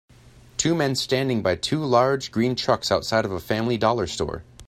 Two men standing by two large, green trucks outside of a Family Dollar store.